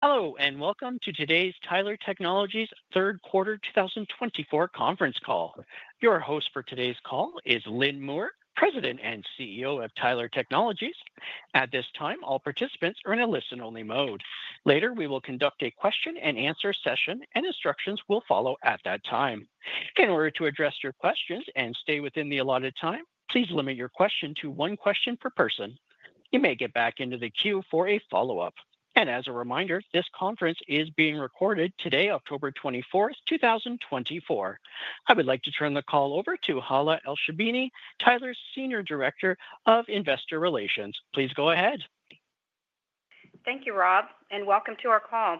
Hello, and welcome to today's Tyler Technologies third quarter two thousand and twenty-four conference call. Your host for today's call is Lynn Moore, President and CEO of Tyler Technologies. At this time, all participants are in a listen-only mode. Later, we will conduct a question and answer session, and instructions will follow at that time. In order to address your questions and stay within the allotted time, please limit your question to one question per person. You may get back into the queue for a follow-up, and as a reminder, this conference is being recorded today, October twenty-fourth, two thousand and twenty-four. I would like to turn the call over to Hala Elsherbini, Tyler's Senior Director of Investor Relations. Please go ahead. Thank you, Rob, and welcome to our call.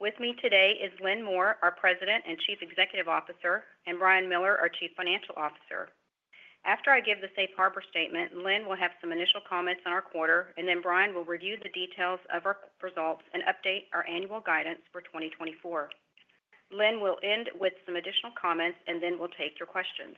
With me today is Lynn Moore, our President and Chief Executive Officer, and Brian Miller, our Chief Financial Officer. After I give the safe harbor statement, Lynn will have some initial comments on our quarter, and then Brian will review the details of our results and update our annual guidance for twenty twenty-four. Lynn will end with some additional comments, and then we'll take your questions.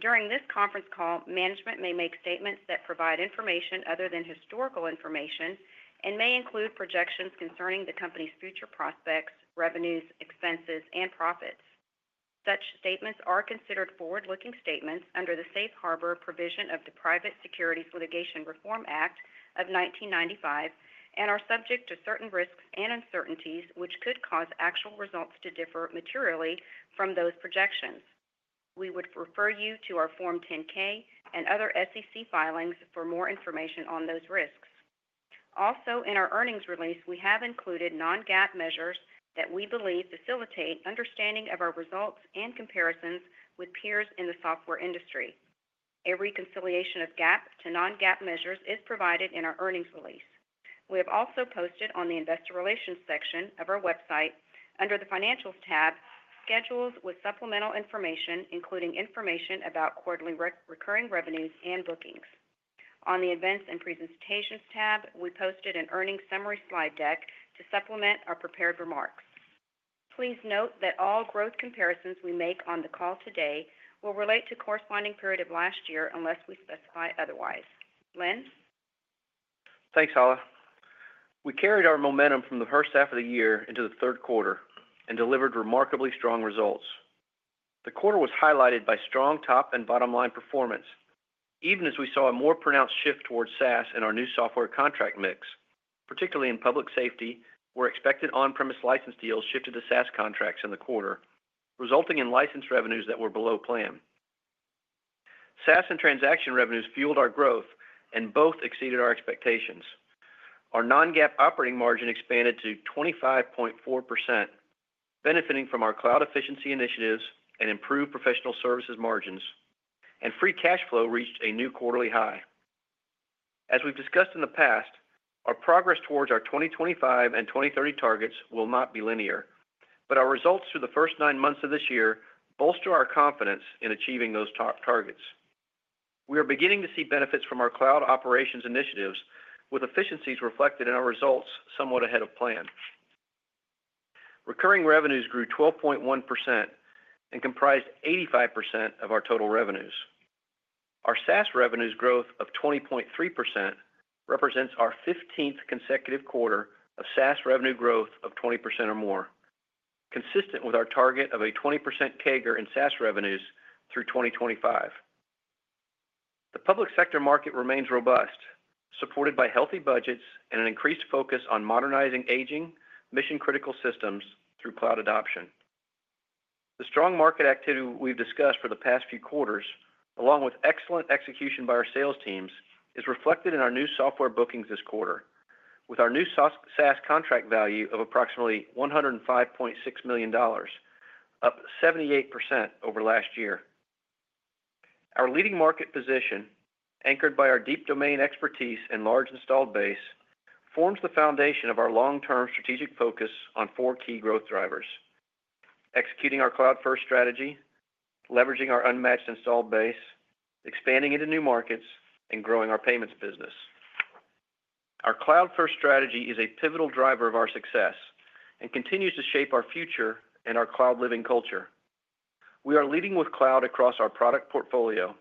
During this conference call, management may make statements that provide information other than historical information and may include projections concerning the company's future prospects, revenues, expenses, and profits. Such statements are considered forward-looking statements under the Safe Harbor provision of the Private Securities Litigation Reform Act of nineteen ninety-five and are subject to certain risks and uncertainties, which could cause actual results to differ materially from those projections. We would refer you to our Form 10-K and other SEC filings for more information on those risks. Also, in our earnings release, we have included non-GAAP measures that we believe facilitate understanding of our results and comparisons with peers in the software industry. A reconciliation of GAAP to non-GAAP measures is provided in our earnings release. We have also posted on the investor relations section of our website, under the Financials tab, schedules with supplemental information, including information about quarterly recurring revenues and bookings. On the Events and Presentations tab, we posted an earnings summary slide deck to supplement our prepared remarks. Please note that all growth comparisons we make on the call today will relate to corresponding period of last year, unless we specify otherwise. Lynn? Thanks, Hala. We carried our momentum from the first half of the year into the third quarter and delivered remarkably strong results. The quarter was highlighted by strong top and bottom line performance, even as we saw a more pronounced shift towards SaaS in our new software contract mix, particularly in public safety, where expected on-premise license deals shifted to SaaS contracts in the quarter, resulting in license revenues that were below plan. SaaS and transaction revenues fueled our growth and both exceeded our expectations. Our non-GAAP operating margin expanded to 25.4%, benefiting from our cloud efficiency initiatives and improved professional services margins, and free cash flow reached a new quarterly high. As we've discussed in the past, our progress towards our 2025 and 2030 targets will not be linear, but our results through the first nine months of this year bolster our confidence in achieving those top targets. We are beginning to see benefits from our cloud operations initiatives, with efficiencies reflected in our results somewhat ahead of plan. Recurring revenues grew 12.1% and comprised 85% of our total revenues. Our SaaS revenues growth of 20.3% represents our fifteenth consecutive quarter of SaaS revenue growth of 20% or more, consistent with our target of a 20% CAGR in SaaS revenues through 2025. The public sector market remains robust, supported by healthy budgets and an increased focus on modernizing aging, mission-critical systems through cloud adoption. The strong market activity we've discussed for the past few quarters, along with excellent execution by our sales teams, is reflected in our new software bookings this quarter, with our new SaaS contract value of approximately $105.6 million, up 78% over last year. Our leading market position, anchored by our deep domain expertise and large installed base, forms the foundation of our long-term strategic focus on four key growth drivers: executing our cloud-first strategy, leveraging our unmatched installed base, expanding into new markets, and growing our payments business. Our cloud-first strategy is a pivotal driver of our success and continues to shape our future and our Cloud Living culture. We are leading with cloud across our product portfolio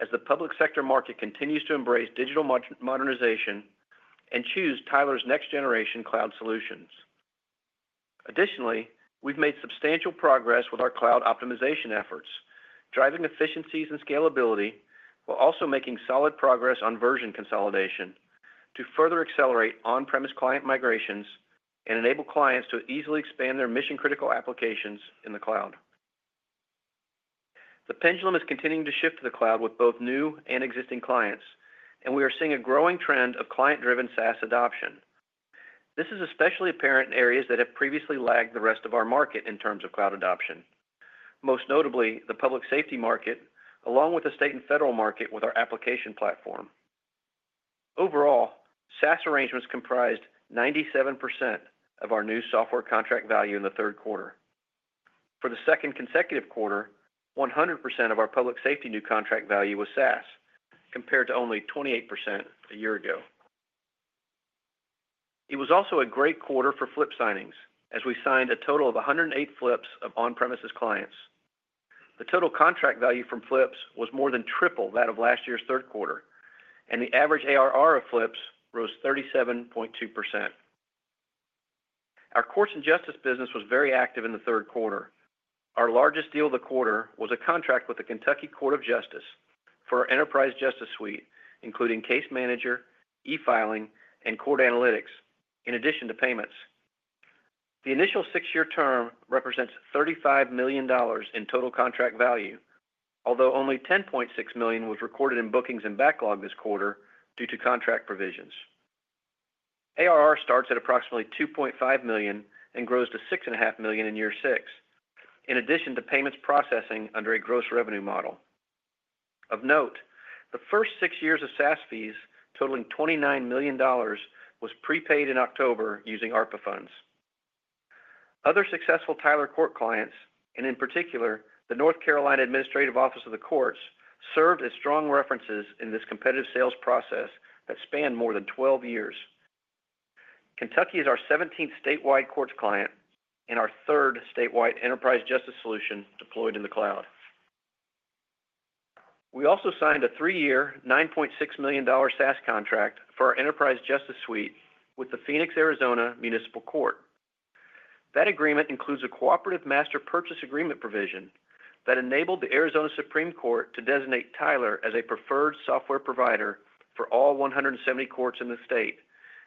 as the public sector market continues to embrace digital modernization and choose Tyler's next generation cloud solutions. Additionally, we've made substantial progress with our cloud optimization efforts, driving efficiencies and scalability, while also making solid progress on version consolidation to further accelerate on-premise client migrations and enable clients to easily expand their mission-critical applications in the cloud. The pendulum is continuing to shift to the cloud with both new and existing clients, and we are seeing a growing trend of client-driven SaaS adoption. This is especially apparent in areas that have previously lagged the rest of our market in terms of cloud adoption, most notably the public safety market, along with the state and federal market with our application platform. Overall, SaaS arrangements comprised 97% of our new software contract value in the third quarter. For the second consecutive quarter, 100% of our public safety new contract value was SaaS, compared to only 28% a year ago. It was also a great quarter for flip signings, as we signed a total of 108 flips of on-premise clients. The total contract value from flips was more than triple that of last year's third quarter, and the average ARR of flips rose 37.2%. Our Courts and Justice business was very active in the third quarter. Our largest deal of the quarter was a contract with the Kentucky Court of Justice for our Enterprise Justice Suite, including Case Manager, e-filing, and Court Analytics, in addition to payments. The initial six-year term represents $35 million in total contract value, although only $10.6 million was recorded in bookings and backlog this quarter due to contract provisions. ARR starts at approximately $2.5 million and grows to $6.5 million in year six, in addition to payments processing under a gross revenue model. Of note, the first six years of SaaS fees, totaling $29 million, was prepaid in October using ARPA funds. Other successful Tyler Court clients, and in particular, the North Carolina Administrative Office of the Courts, served as strong references in this competitive sales process that spanned more than 12 years. Kentucky is our seventeenth statewide courts client and our third statewide Enterprise Justice Solution deployed in the cloud. We also signed a three-year, $9.6 million SaaS contract for our Enterprise Justice Suite with the Phoenix, Arizona Municipal Court. That agreement includes a cooperative master purchase agreement provision that enabled the Arizona Supreme Court to designate Tyler as a preferred software provider for all 170 courts in the state,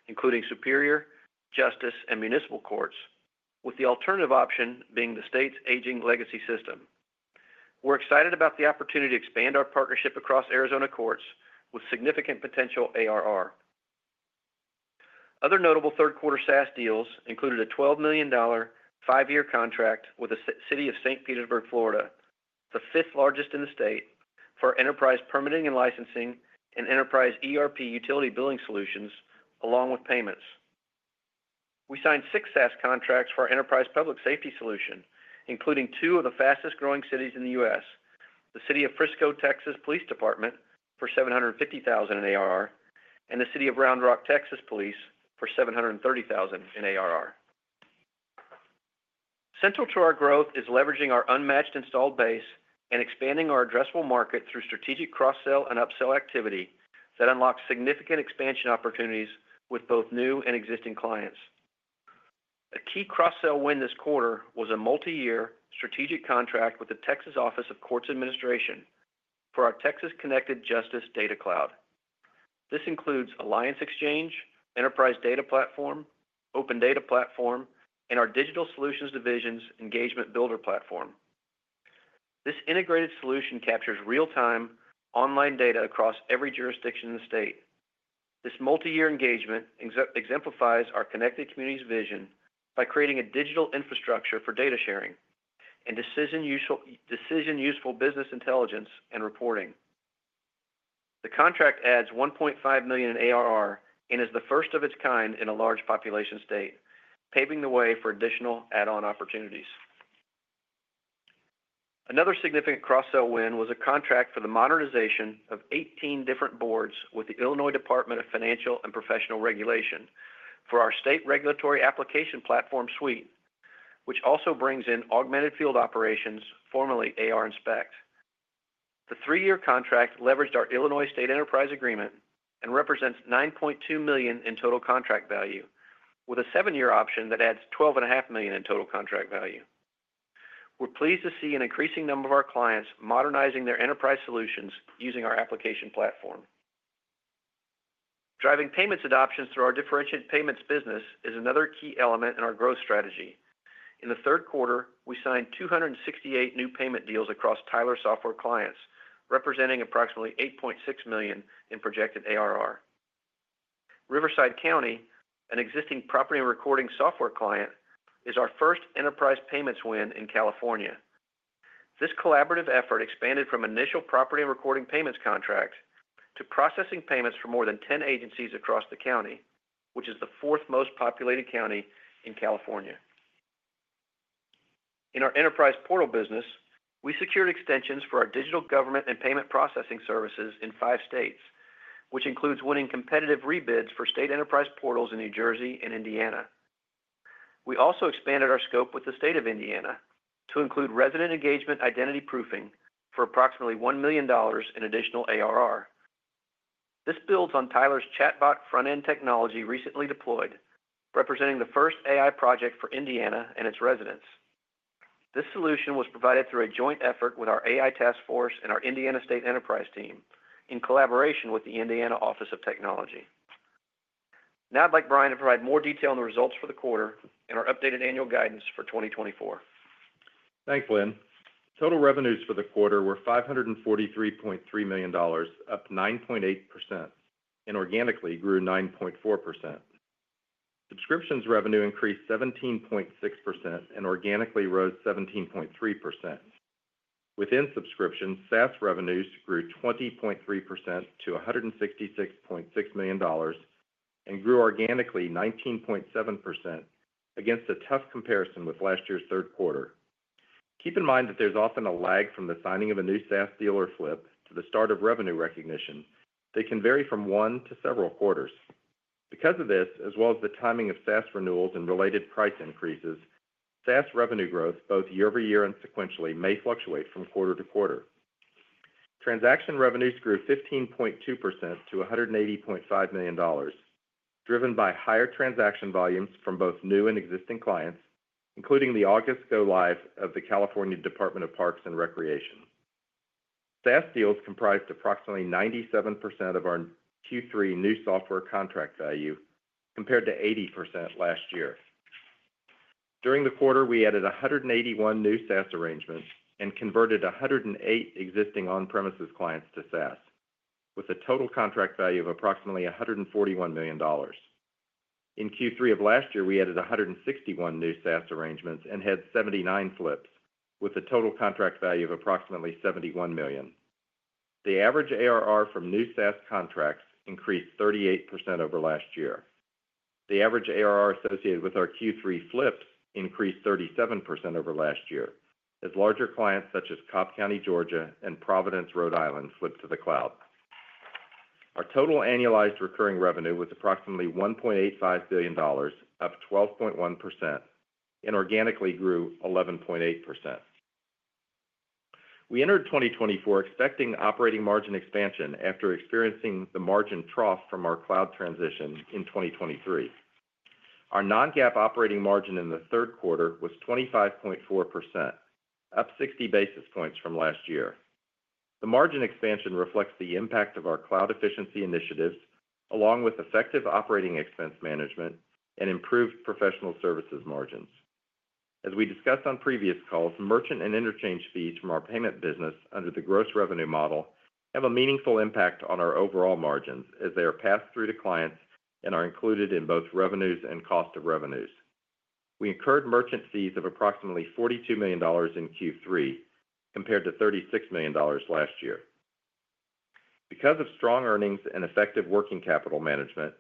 including superior, justice, and municipal courts, with the alternative option being the state's aging legacy system. We're excited about the opportunity to expand our partnership across Arizona courts with significant potential ARR. Other notable third quarter SaaS deals included a $12 million, five-year contract with the City of St. Petersburg, Florida, the fifth largest in the state, for Enterprise Permitting and Licensing and Enterprise ERP Utility Billing Solutions, along with payments. We signed six SaaS contracts for our Enterprise Public Safety Solution, including two of the fastest growing cities in the U.S.: the City of Frisco, Texas, Police Department for $750,000 in ARR, and the City of Round Rock, Texas, Police for $730,000 in ARR. Central to our growth is leveraging our unmatched installed base and expanding our addressable market through strategic cross-sell and upsell activity that unlocks significant expansion opportunities with both new and existing clients. A key cross-sell win this quarter was a multi-year strategic contract with the Texas Office of Court Administration for our Texas Connected Justice Data Cloud. This includes Alliance Exchange, Enterprise Data Platform, Open Data Platform, and our Digital Solutions Division's Engagement Builder Platform. This integrated solution captures real-time online data across every jurisdiction in the state. This multi-year engagement exemplifies our connected community's vision by creating a digital infrastructure for data sharing and decision useful business intelligence and reporting. The contract adds $1.5 million in ARR and is the first of its kind in a large population state, paving the way for additional add-on opportunities. Another significant cross-sell win was a contract for the modernization of 18 different boards with the Illinois Department of Financial and Professional Regulation for our state regulatory application platform suite, which also brings in Augmented Field Operations, formerly ARInspect. The three-year contract leveraged our Illinois State Enterprise Agreement and represents $9.2 million in total contract value, with a 7-year option that adds $12.5 million in total contract value. We're pleased to see an increasing number of our clients modernizing their enterprise solutions using our application platform. Driving payments adoptions through our differentiated payments business is another key element in our growth strategy. In the third quarter, we signed 268 new payment deals across Tyler software clients, representing approximately $8.6 million in projected ARR. Riverside County, an existing property and recording software client, is our first enterprise payments win in California. This collaborative effort expanded from initial property and recording payments contract to processing payments for more than 10 agencies across the county, which is the fourth most populated county in California. In our enterprise portal business, we secured extensions for our digital government and payment processing services in 5 states, which includes winning competitive rebid for state enterprise portals in New Jersey and Indiana. We also expanded our scope with the state of Indiana to include resident engagement identity proofing for approximately $1 million in additional ARR. This builds on Tyler's chatbot front-end technology recently deployed, representing the first AI project for Indiana and its residents. This solution was provided through a joint effort with our AI task force and our Indiana State Enterprise team in collaboration with the Indiana Office of Technology. Now I'd like Brian to provide more detail on the results for the quarter and our updated annual guidance for 2024. Thanks, Lynn. Total revenues for the quarter were $543.3 million, up 9.8%, and organically grew 9.4%. Subscriptions revenue increased 17.6% and organically rose 17.3%. Within subscriptions, SaaS revenues grew 20.3% to $166.6 million and grew organically 19.7% against a tough comparison with last year's third quarter. Keep in mind that there's often a lag from the signing of a new SaaS deal or flip to the start of revenue recognition. They can vary from one to several quarters... Because of this, as well as the timing of SaaS renewals and related price increases, SaaS revenue growth, both year-over-year and sequentially, may fluctuate from quarter to quarter. Transaction revenues grew 15.2% to $180.5 million, driven by higher transaction volumes from both new and existing clients, including the August go live of the California Department of Parks and Recreation. SaaS deals comprised approximately 97% of our Q3 new software contract value, compared to 80% last year. During the quarter, we added 181 new SaaS arrangements and converted 108 existing on-premises clients to SaaS, with a total contract value of approximately $141 million. In Q3 of last year, we added 161 new SaaS arrangements and had 79 flips, with a total contract value of approximately $71 million. The average ARR from new SaaS contracts increased 38% over last year. The average ARR associated with our Q3 flips increased 37% over last year, as larger clients such as Cobb County, Georgia, and Providence, Rhode Island, flipped to the cloud. Our total annualized recurring revenue was approximately $1.85 billion, up 12.1%, and organically grew 11.8%. We entered twenty twenty-four expecting operating margin expansion after experiencing the margin trough from our cloud transition in twenty twenty-three. Our non-GAAP operating margin in the third quarter was 25.4%, up 60 basis points from last year. The margin expansion reflects the impact of our cloud efficiency initiatives, along with effective operating expense management and improved professional services margins. As we discussed on previous calls, merchant and interchange fees from our payment business under the gross revenue model have a meaningful impact on our overall margins, as they are passed through to clients and are included in both revenues and cost of revenues. We incurred merchant fees of approximately $42 million in Q3, compared to $36 million last year. Because of strong earnings and effective working capital management,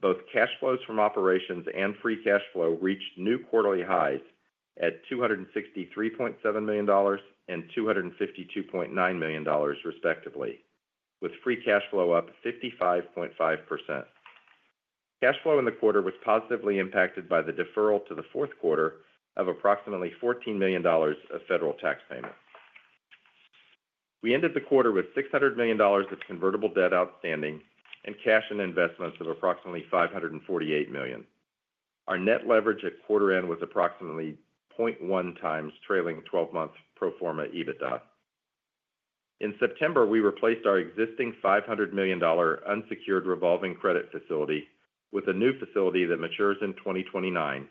both cash flows from operations and free cash flow reached new quarterly highs at $263.7 million and $252.9 million, respectively, with free cash flow up 55.5%. Cash flow in the quarter was positively impacted by the deferral to the fourth quarter of approximately $14 million of federal tax payments. We ended the quarter with $600 million of convertible debt outstanding and cash and investments of approximately $548 million. Our net leverage at quarter end was approximately 0.1 times trailing twelve-month pro forma EBITDA. In September, we replaced our existing $500 million unsecured revolving credit facility with a new facility that matures in 2029,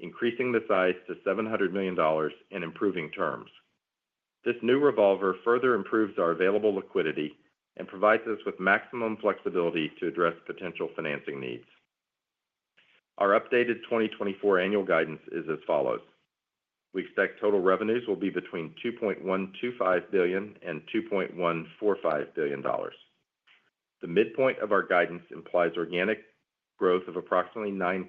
increasing the size to $700 million and improving terms. This new revolver further improves our available liquidity and provides us with maximum flexibility to address potential financing needs. Our updated 2024 annual guidance is as follows: We expect total revenues will be between $2.125 billion and $2.145 billion. The midpoint of our guidance implies organic growth of approximately 9%.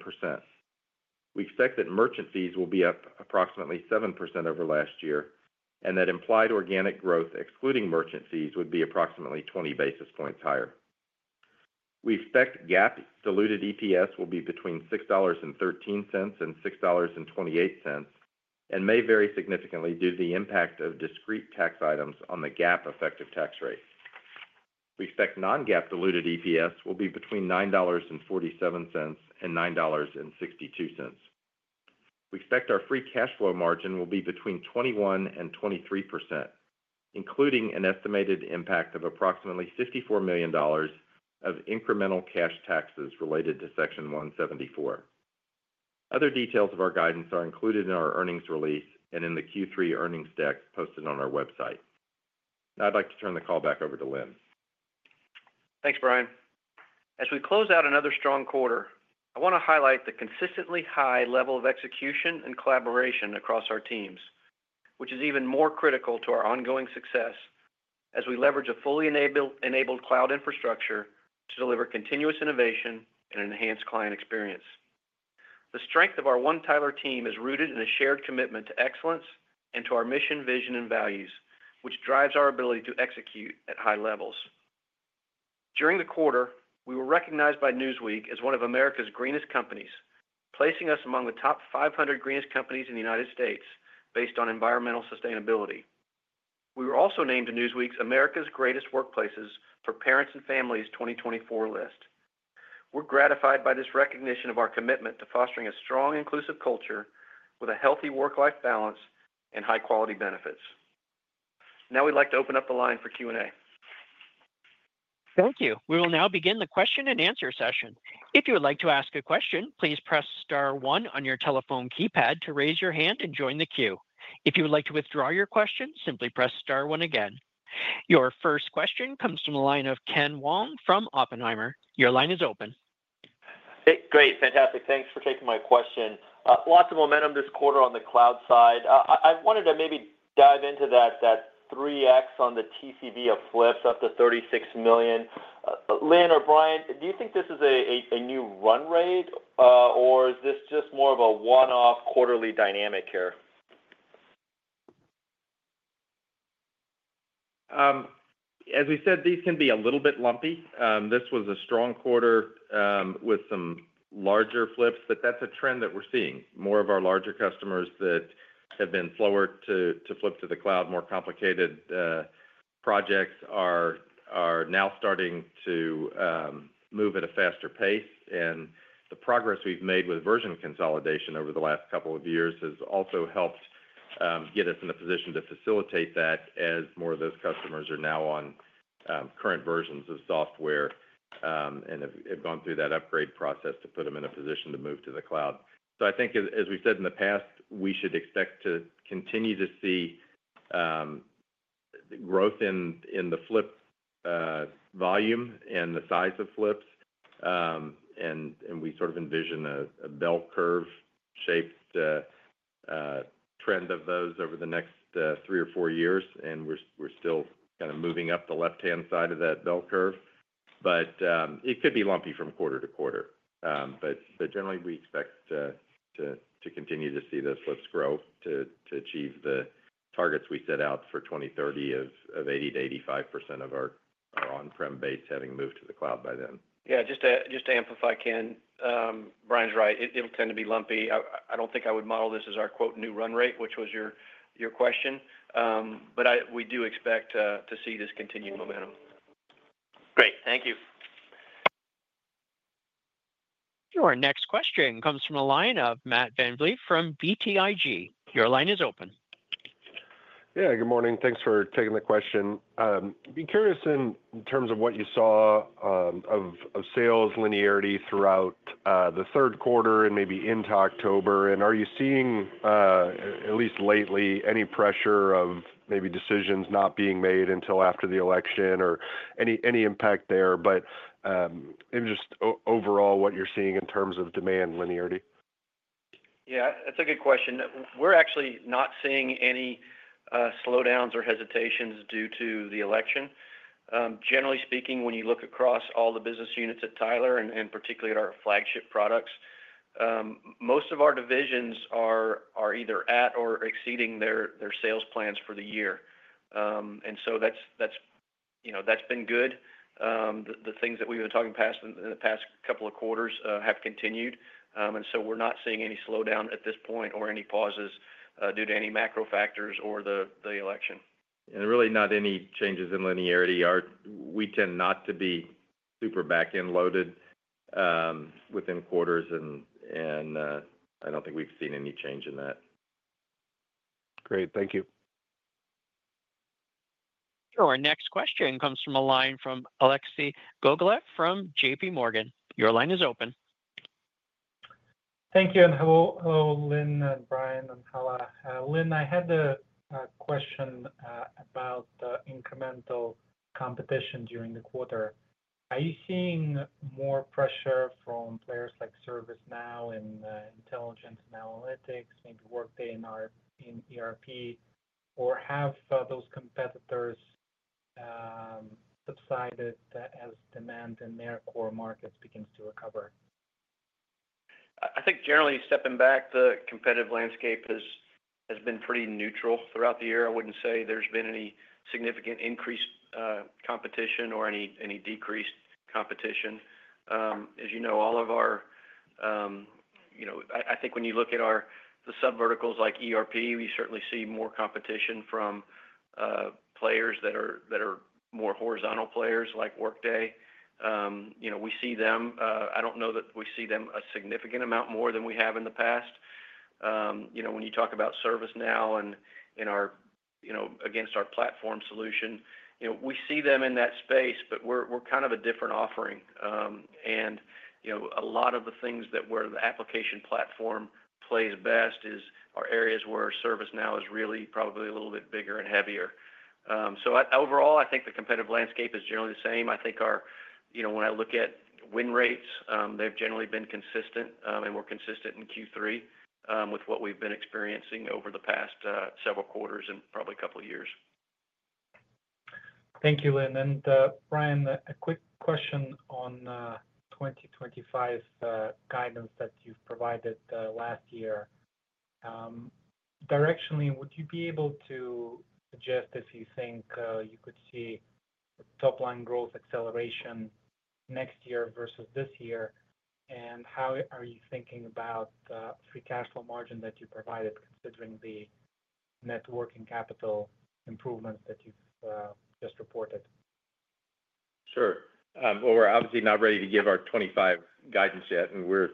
We expect that merchant fees will be up approximately 7% over last year, and that implied organic growth, excluding merchant fees, would be approximately 20 basis points higher. We expect GAAP diluted EPS will be between $6.13 and $6.28, and may vary significantly due to the impact of discrete tax items on the GAAP effective tax rate. We expect non-GAAP diluted EPS will be between $9.47 and $9.62. We expect our free cash flow margin will be between 21% and 23%, including an estimated impact of approximately $54 million of incremental cash taxes related to Section 174. Other details of our guidance are included in our earnings release and in the Q3 earnings deck posted on our website. Now, I'd like to turn the call back over to Lynn. Thanks, Brian. As we close out another strong quarter, I want to highlight the consistently high level of execution and collaboration across our teams, which is even more critical to our ongoing success as we leverage a fully enabled cloud infrastructure to deliver continuous innovation and enhanced client experience. The strength of our One Tyler team is rooted in a shared commitment to excellence and to our mission, vision, and values, which drives our ability to execute at high levels. During the quarter, we were recognized by Newsweek as one of America's greenest companies, placing us among the top 500 greenest companies in the United States based on environmental sustainability. We were also named in Newsweek's America's Greatest Workplaces for Parents and Families 2024 list. We're gratified by this recognition of our commitment to fostering a strong, inclusive culture with a healthy work-life balance and high-quality benefits. Now, we'd like to open up the line for Q&A. Thank you. We will now begin the question-and-answer session. If you would like to ask a question, please press star one on your telephone keypad to raise your hand and join the queue. If you would like to withdraw your question, simply press star one again. Your first question comes from the line of Ken Wong from Oppenheimer. Your line is open. Hey, great, fantastic. Thanks for taking my question. Lots of momentum this quarter on the cloud side. I wanted to maybe dive into that, that 3X on the TCV of flips, up to $36 million. Lynn or Brian, do you think this is a new run rate, or is this just more of a one-off quarterly dynamic here?... As we said, these can be a little bit lumpy. This was a strong quarter with some larger flips, but that's a trend that we're seeing. More of our larger customers that have been slower to flip to the cloud, more complicated projects are now starting to move at a faster pace, and the progress we've made with version consolidation over the last couple of years has also helped get us in a position to facilitate that as more of those customers are now on current versions of software and have gone through that upgrade process to put them in a position to move to the cloud, so I think as we said in the past, we should expect to continue to see growth in the flip volume and the size of flips. We sort of envision a bell curve-shaped trend of those over the next three or four years, and we're still kind of moving up the left-hand side of that bell curve. It could be lumpy from quarter to quarter. Generally, we expect to continue to see those flips grow to achieve the targets we set out for 2030 of 80%-85% of our on-prem base having moved to the cloud by then. Yeah, just to amplify, Ken, Brian's right. It'll tend to be lumpy. I don't think I would model this as our "new run rate," which was your question. But we do expect to see this continued momentum. Great. Thank you. Your next question comes from the line of Matt VanVliet from BTIG. Your line is open. Yeah, good morning. Thanks for taking the question. I'd be curious in terms of what you saw of sales linearity throughout the third quarter and maybe into October. And are you seeing at least lately any pressure of maybe decisions not being made until after the election or any impact there? But overall, what you're seeing in terms of demand linearity. Yeah, that's a good question. We're actually not seeing any slowdowns or hesitations due to the election. Generally speaking, when you look across all the business units at Tyler, and particularly at our flagship products, most of our divisions are either at or exceeding their sales plans for the year. And so that's, you know, that's been good. The things that we've been talking in the past couple of quarters have continued. And so we're not seeing any slowdown at this point or any pauses due to any macro factors or the election. And really not any changes in linearity. We tend not to be super back-end loaded within quarters, and I don't think we've seen any change in that. Great. Thank you. Sure. Our next question comes from a line from Alexei Gogolev from J.P. Morgan. Your line is open. Thank you, and hello, Lynn and Brian, and Hala. Lynn, I had a question about the incremental competition during the quarter. Are you seeing more pressure from players like ServiceNow in intelligence and analytics, maybe Workday in ERP? Or have those competitors subsided as demand in their core markets begins to recover? I think generally, stepping back, the competitive landscape has been pretty neutral throughout the year. I wouldn't say there's been any significant increased competition or any decreased competition. As you know, all of our... You know, I think when you look at our subverticals like ERP, we certainly see more competition from players that are more horizontal players, like Workday. You know, we see them. I don't know that we see them a significant amount more than we have in the past. You know, when you talk about ServiceNow and our platform solution, you know, we see them in that space, but we're kind of a different offering. And, you know, a lot of the things that where the application platform plays best is, are areas where ServiceNow is really probably a little bit bigger and heavier. So overall, I think the competitive landscape is generally the same. I think our... You know, when I look at win rates, they've generally been consistent, and we're consistent in Q3, with what we've been experiencing over the past, several quarters and probably a couple of years. Thank you, Lynn. And Brian, a quick question on 2025 guidance that you've provided last year. Directionally, would you be able to suggest if you think you could see top-line growth acceleration next year versus this year? And how are you thinking about free cash flow margin that you provided, considering the working capital improvements that you've just reported? Sure. Well, we're obviously not ready to give our 2025 guidance yet, and we're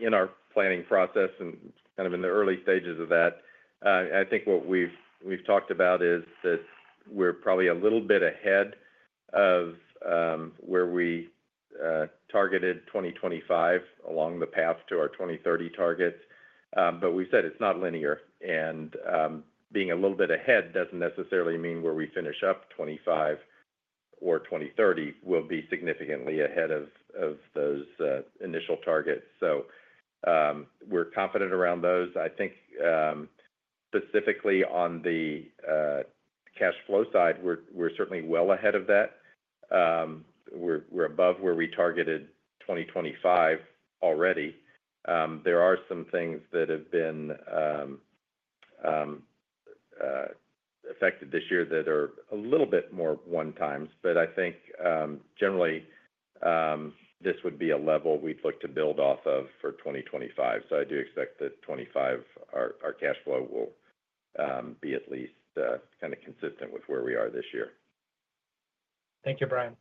in our planning process and kind of in the early stages of that. I think what we've talked about is that we're probably a little bit ahead of where we targeted 2025 along the path to our 2030 targets. But we said it's not linear, and being a little bit ahead doesn't necessarily mean where we finish up 2025 or 2030 will be significantly ahead of those initial targets. We're confident around those. I think specifically on the cash flow side, we're certainly well ahead of that. We're above where we targeted 2025 already. There are some things that have been affected this year that are a little bit more one times. But I think, generally, this would be a level we'd look to build off of for 2025. So I do expect that 2025, our cash flow will be at least kinda consistent with where we are this year. Thank you, Brian.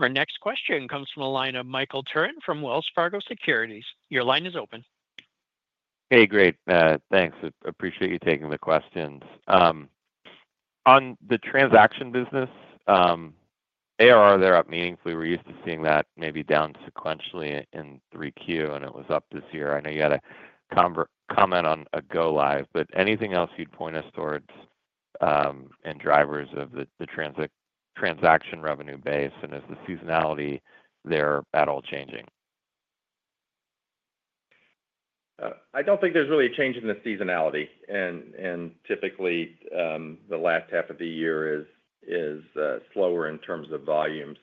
Our next question comes from the line of Michael Turrin from Wells Fargo Securities. Your line is open. Hey, great. Thanks. Appreciate you taking the questions. On the transaction business, ARR, they're up meaningfully. We're used to seeing that maybe down sequentially in three Q, and it was up this year. I know you had a comment on a go-live, but anything else you'd point us towards, and drivers of the transaction revenue base, and is the seasonality there at all changing? I don't think there's really a change in the seasonality. And typically, the last half of the year is slower in terms of volumes.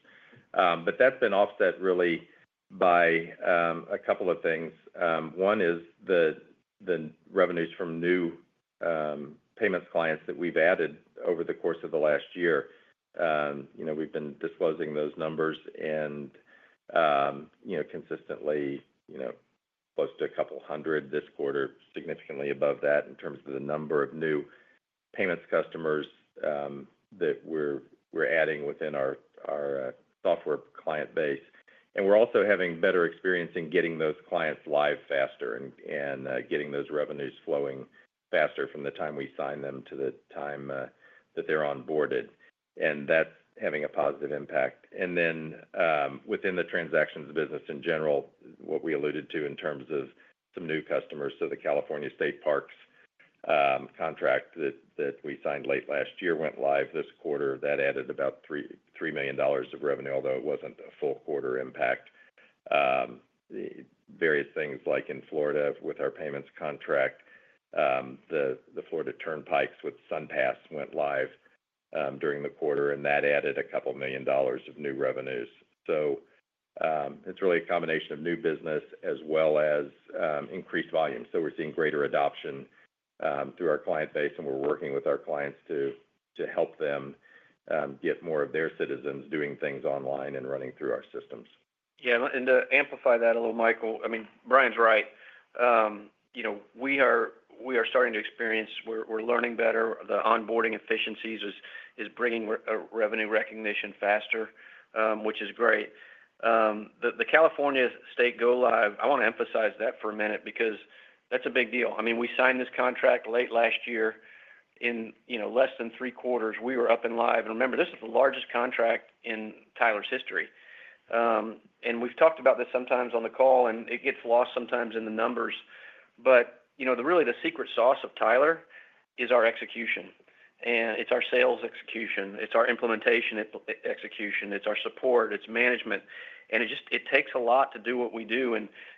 But that's been offset really by a couple of things. One is the revenues from new payments clients that we've added over the course of the last year. You know, we've been disclosing those numbers, and you know, consistently, you know, close to a couple hundred this quarter, significantly above that in terms of the number of new payments customers that we're adding within our software client base. And we're also having better experience in getting those clients live faster and getting those revenues flowing faster from the time we sign them to the time that they're onboarded, and that's having a positive impact. Then, within the transactions business in general, what we alluded to in terms of some new customers: the California Department of Parks and Recreation contract that we signed late last year went live this quarter. That added about $3 million of revenue, although it wasn't a full quarter impact. The various things like in Florida with our payments contract, the Florida's Turnpike Enterprise with SunPass went live during the quarter, and that added $2 million of new revenues. It's really a combination of new business as well as increased volume. We're seeing greater adoption through our client base, and we're working with our clients to help them get more of their citizens doing things online and running through our systems. Yeah, and to amplify that a little, Michael, I mean, Brian's right. You know, we are starting to experience we're learning better. The onboarding efficiencies is bringing a revenue recognition faster, which is great. The California State go-live, I wanna emphasize that for a minute because that's a big deal. I mean, we signed this contract late last year. In, you know, less than three quarters, we were up and live. And remember, this is the largest contract in Tyler's history. And we've talked about this sometimes on the call, and it gets lost sometimes in the numbers. But, you know, really the secret sauce of Tyler is our execution, and it's our sales execution, it's our implementation execution, it's our support, it's management. And it just it takes a lot to do what we do.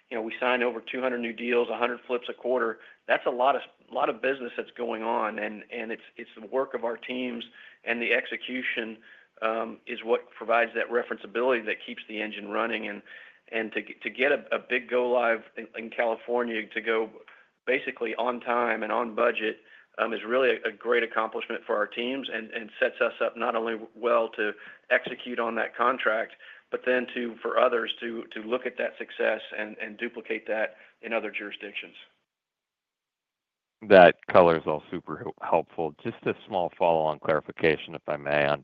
You know, we sign over 200 new deals, 100 flips a quarter. That's a lot of business that's going on, and it's the work of our teams, and the execution is what provides that referenceability that keeps the engine running. To get a big go-live in California, to go basically on time and on budget, is really a great accomplishment for our teams and sets us up not only well to execute on that contract, but then to look at that success and duplicate that in other jurisdictions. That color is all super helpful. Just a small follow-on clarification, if I may, on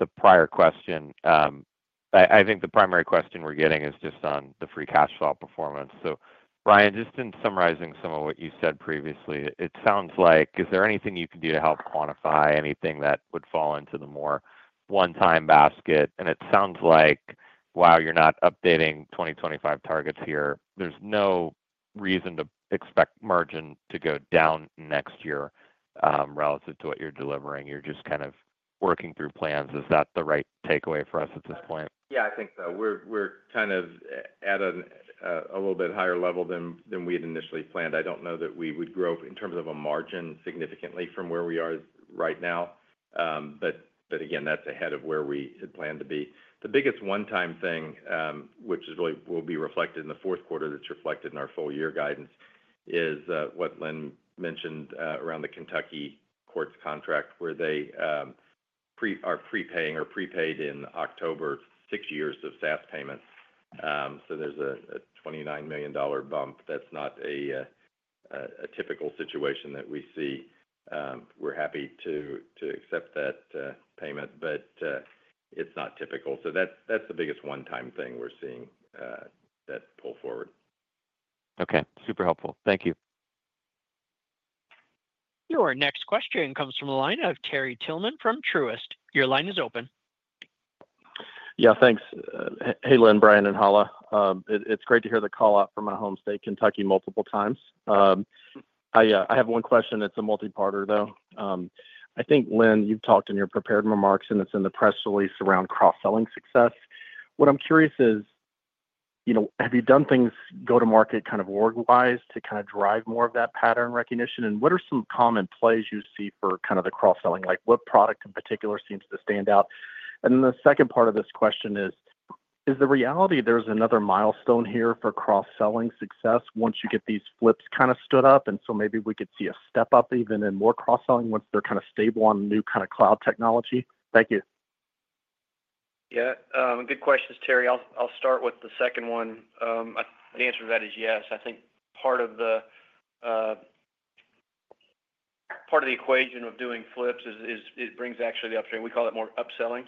the prior question. I think the primary question we're getting is just on the free cash flow performance. So Brian, just in summarizing some of what you said previously, it sounds like... Is there anything you could do to help quantify anything that would fall into the more one-time basket? And it sounds like, wow, you're not updating 2025 targets here. There's no reason to expect margin to go down next year, relative to what you're delivering. You're just kind of working through plans. Is that the right takeaway for us at this point? Yeah, I think so. We're kind of at a little bit higher level than we had initially planned. I don't know that we would grow in terms of a margin significantly from where we are right now, but again, that's ahead of where we had planned to be. The biggest one-time thing, which is really will be reflected in the fourth quarter, that's reflected in our full year guidance, is what Lynn mentioned, around the Kentucky Courts contract, where they are prepaying or prepaid in October, six years of SaaS payments. So there's a $29 million bump. That's not a typical situation that we see. We're happy to accept that payment, but it's not typical. So that's the biggest one-time thing we're seeing, that pull forward. Okay. Super helpful. Thank you. Your next question comes from the line of Terry Tillman from Truist. Your line is open. Yeah, thanks. Hey, Lynn, Brian, and Hala. It's great to hear the call out from my home state, Kentucky, multiple times. I have one question that's a multi-parter, though. I think, Lynn, you've talked in your prepared remarks, and it's in the press release around cross-selling success. What I'm curious is, you know, have you done things go to market kind of org-wise to kind of drive more of that pattern recognition? And what are some common plays you see for kind of the cross-selling? Like, what product in particular seems to stand out? And then the second part of this question is, is the reality there's another milestone here for cross-selling success once you get these flips kind of stood up, and so maybe we could see a step up even in more cross-selling once they're kind of stable on new kind of cloud technology? Thank you. Yeah, good questions, Terry. I'll start with the second one. The answer to that is yes. I think part of the equation of doing flips is it brings actually the opportunity. We call it more upselling.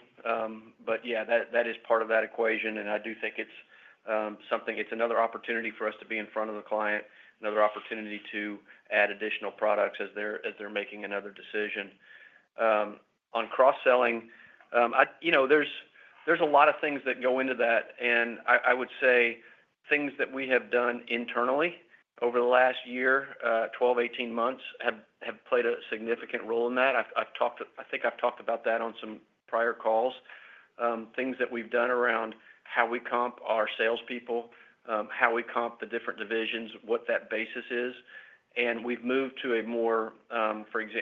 But yeah, that is part of that equation, and I do think it's another opportunity for us to be in front of the client, another opportunity to add additional products as they're making another decision. On cross-selling, you know, there's a lot of things that go into that, and I would say things that we have done internally over the last year, twelve, eighteen months, have played a significant role in that. I've talked. I think I've talked about that on some prior calls. Things that we've done around how we comp our salespeople, how we comp the different divisions, what that basis is, and we've moved to a more,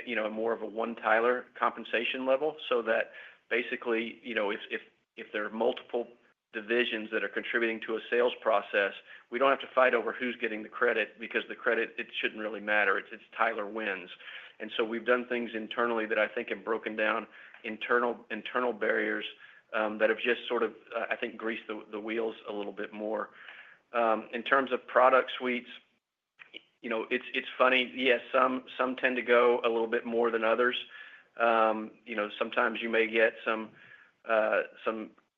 you know, a more of a One Tyler compensation level. So that basically, you know, if there are multiple divisions that are contributing to a sales process, we don't have to fight over who's getting the credit because the credit, it shouldn't really matter. It's Tyler wins. And so we've done things internally that I think have broken down internal barriers, that have just sort of, I think, greased the wheels a little bit more. In terms of product suites, you know, it's funny, yes, some tend to go a little bit more than others. You know, sometimes you may get some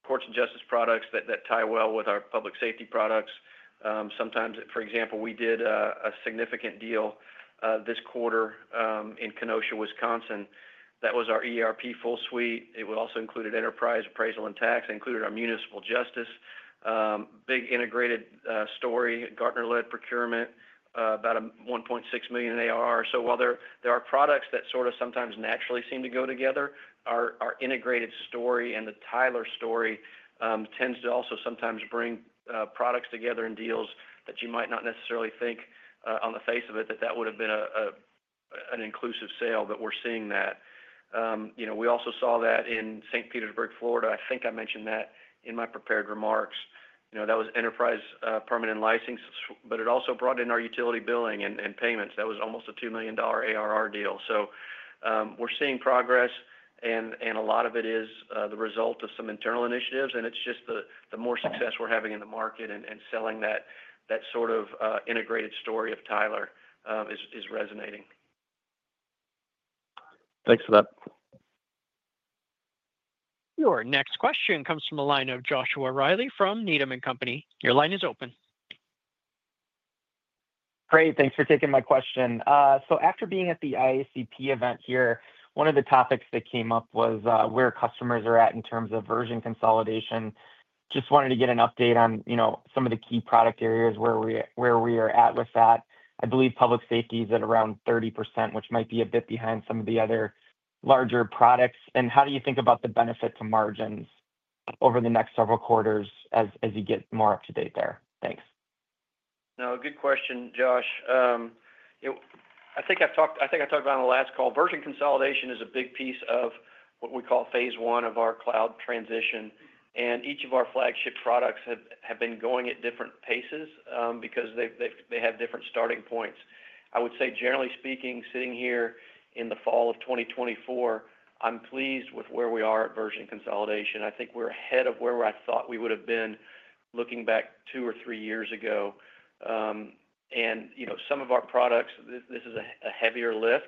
courts and justice products that tie well with our public safety products. Sometimes, for example, we did a significant deal this quarter in Kenosha, Wisconsin, that was our ERP full suite. It would also included Enterprise Appraisal and Tax, included our Municipal Justice. Big integrated story, Gartner-led procurement, about $1.6 million ARR. So while there are products that sort of sometimes naturally seem to go together, our integrated story and the Tyler story tends to also sometimes bring products together in deals that you might not necessarily think on the face of it that that would have been an inclusive sale, but we're seeing that. You know, we also saw that in St. Petersburg, Florida. I think I mentioned that in my prepared remarks. You know, that was Enterprise Permitting and Licensing, but it also brought in our utility billing and payments. That was almost a $2 million ARR deal. So, we're seeing progress, and a lot of it is the result of some internal initiatives, and it's just the more success we're having in the market and selling that sort of integrated story of Tyler is resonating. Thanks for that. Your next question comes from the line of Joshua Reilly from Needham & Company. Your line is open. Great. Thanks for taking my question. So after being at the IACP event here, one of the topics that came up was where customers are at in terms of version consolidation. Just wanted to get an update on, you know, some of the key product areas where we are at with that. I believe public safety is at around 30%, which might be a bit behind some of the other larger products. How do you think about the benefit to margins over the next several quarters as you get more up to date there? Thanks. No, good question, Josh. I think I talked about on the last call, version consolidation is a big piece of what we call phase one of our cloud transition, and each of our flagship products have been going at different paces, because they have different starting points. I would say, generally speaking, sitting here in the fall of twenty twenty-four, I'm pleased with where we are at version consolidation. I think we're ahead of where I thought we would have been looking back two or three years ago. And you know, some of our products, this is a heavier lift.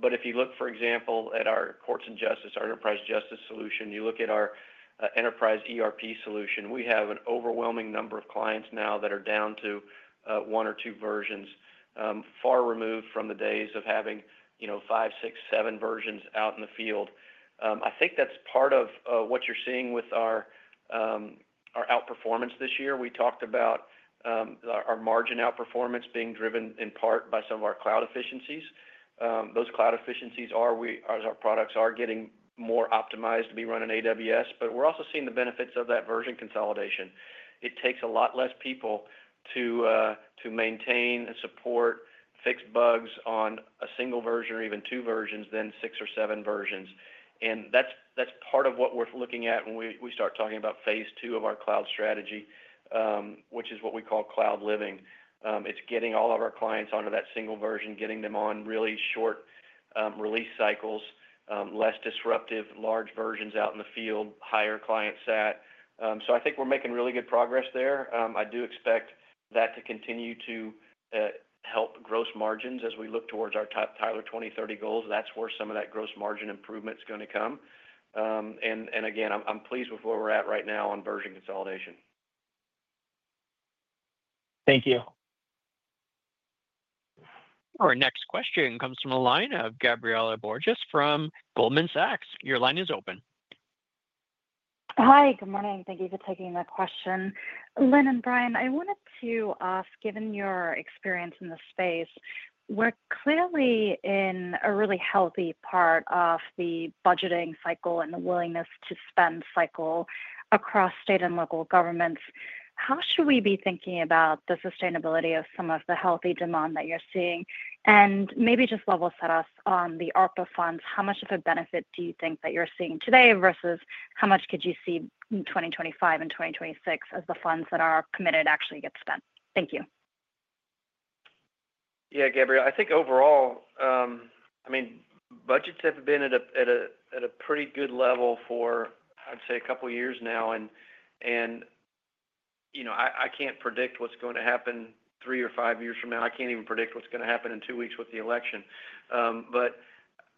But if you look, for example, at our Courts and Justice, our Enterprise Justice solution, you look at our enterprise ERP solution, we have an overwhelming number of clients now that are down to one or two versions. Far removed from the days of having, you know, five, six, seven versions out in the field. I think that's part of what you're seeing with our outperformance this year. We talked about our margin outperformance being driven in part by some of our cloud efficiencies. Those cloud efficiencies are as our products are getting more optimized to be run on AWS, but we're also seeing the benefits of that version consolidation. It takes a lot less people to maintain and support, fix bugs on a single version or even two versions than six or seven versions. And that's part of what we're looking at when we start talking about phase two of our cloud strategy, which is what we call Cloud Living. It's getting all of our clients onto that single version, getting them on really short release cycles, less disruptive, large versions out in the field, higher client sat. So I think we're making really good progress there. I do expect that to continue to help gross margins as we look towards our Tyler 2030 goals. That's where some of that gross margin improvement is gonna come. And again, I'm pleased with where we're at right now on version consolidation. Thank you. Our next question comes from the line of Gabriella Borges from Goldman Sachs. Your line is open. Hi, good morning. Thank you for taking my question. Lynn and Brian, I wanted to ask, given your experience in this space. We're clearly in a really healthy part of the budgeting cycle and the willingness to spend cycle across state and local governments. How should we be thinking about the sustainability of some of the healthy demand that you're seeing? And maybe just level set us on the ARPA funds. How much of a benefit do you think that you're seeing today versus how much could you see in 2025 and 2026 as the funds that are committed actually get spent? Thank you. Yeah, Gabriella, I think overall, I mean, budgets have been at a pretty good level for, I'd say, a couple of years now, and you know, I can't predict what's going to happen three or five years from now. I can't even predict what's gonna happen in two weeks with the election. But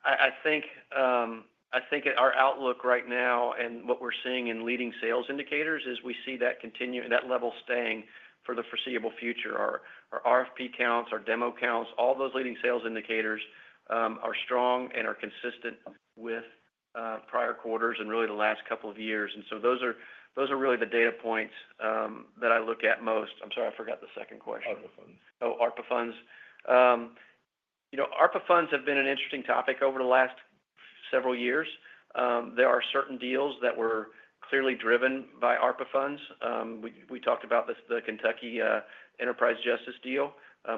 I think our outlook right now and what we're seeing in leading sales indicators is we see that continue, that level staying for the foreseeable future. Our RFP counts, our demo counts, all those leading sales indicators, are strong and are consistent with prior quarters and really the last couple of years. And so those are really the data points that I look at most. I'm sorry, I forgot the second question. ARPA funds. Oh, ARPA funds. You know, ARPA funds have been an interesting topic over the last several years. There are certain deals that were clearly driven by ARPA funds. We talked about this, the Kentucky Enterprise Justice deal,